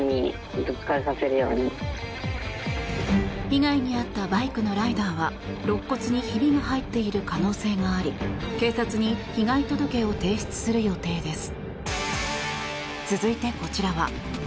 被害に遭ったバイクのライダーは肋骨にひびが入っている可能性があり警察に被害届を提出する予定です。